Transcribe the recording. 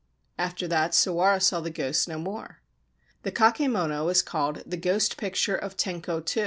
After that Sawara saw the ghost no more. The kakemono is called the Ghost Picture of Tenko II.